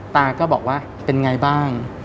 ตาก็บอกว่าเป็นไงบ้าง